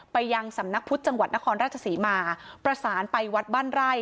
ไปยังสำนักพุทธจังหวัดนครราชศรีมาประสานไปวัดบ้านไร่